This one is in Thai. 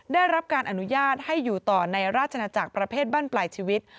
ได้รับการอนุญาตให้อยู่ต่อในราชนาจักรประเภทบ้านปลายชีวิต